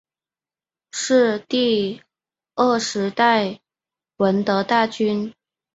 是第十二代闻得大君。